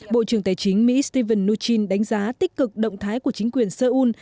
bộ trưởng tài chính mỹ stephen mnuchin đánh giá tích cực động thái của chính quyền seoul